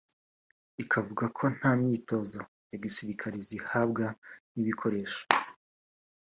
ikavuga ko nta myitozo ya gisirikare zihabwa n’ibikoresho